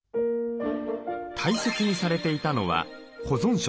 大切にされていたのは保存食。